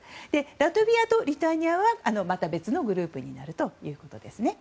ラトビアとリトアニアは別のグループになるということです。